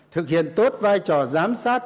thực hiện tốt vai trò giám sát